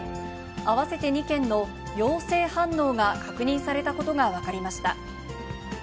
合わせて２件の陽性反応が確認されたことが分かりました。